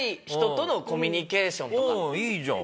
うんいいじゃん！